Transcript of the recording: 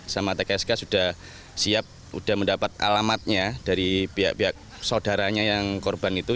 sama tksk sudah siap sudah mendapat alamatnya dari pihak pihak saudaranya yang korban itu